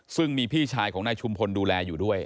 ซึ่งมีพี่ชายของนายชุมพลดูแลอยู่ด้วย